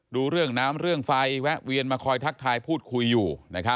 ดูเรื่องน้ำเรื่องไฟแวะเวียนมาคอยทักทายพูดคุยอยู่